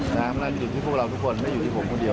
น่าจะอยู่ที่พวกเราทุกคนไม่อยู่ที่ผมคนเดียว